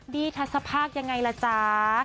ทัศภาคยังไงล่ะจ๊ะ